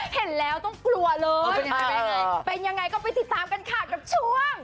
เห็นแล้วต้องกลัวเลยเป็นยังไงก็ไปติดตามกันค่ะกับช่วง